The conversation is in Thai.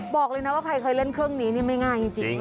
บอกเลยนะว่าใครเคยเล่นเครื่องนี้นี่ไม่ง่ายจริง